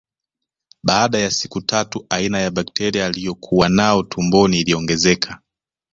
Baada ya siku tatu aina ya bakteria aliokuwa nao tumboni iliongezeka